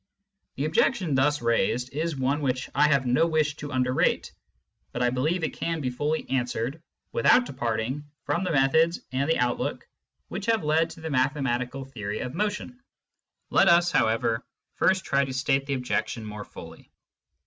The objection thus raised is one which I have no wish to underrate, but I believe it can be fully answered with out departing from the methods and the outlook which have led to the mathematical theory of motion. Let us, however, first try to state the objection more fully.